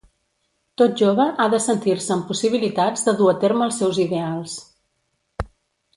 Tot jove ha de sentir-se amb possibilitats de dur a terme els seus ideals.